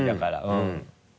うん。